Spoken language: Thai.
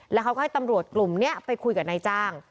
แล้วเขาก็ให้ตำรวจกลุ่มนี้ไปคุยกับนายจ้าง